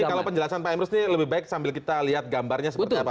jadi kalau penjelasan pak emrus ini lebih baik sambil kita lihat gambarnya seperti apa